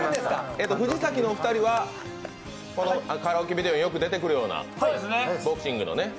藤崎のお二人はカラオケビデオによく出てくるようなボクシングのね。